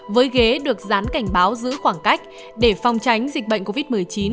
với ghế được dán cảnh báo giữ khoảng cách để phòng tránh dịch bệnh covid một mươi chín